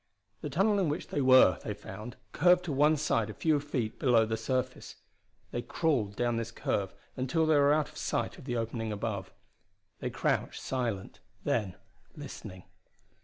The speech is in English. The tunnel in which they were, they found, curved to one side a few feet below the surface. They crawled down this curve until they were out of sight of the opening above. They crouched silent, then, listening.